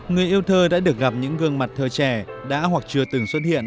người yêu thơ đã được gặp những gương mặt thơ trẻ đã hoặc chưa từng xuất hiện